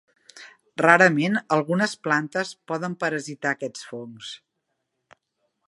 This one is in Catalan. Rarament algunes plantes poden parasitar aquests fongs.